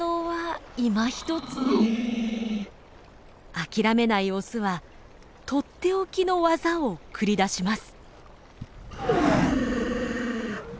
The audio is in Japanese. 諦めないオスはとっておきの技を繰り出します。